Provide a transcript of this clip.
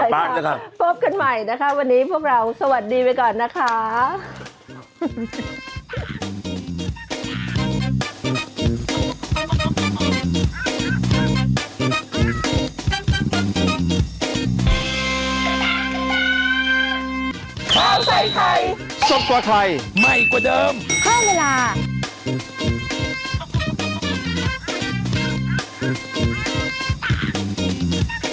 พบกันใหม่นะคะวันนี้พวกเราสวัสดีไปก่อนนะคะ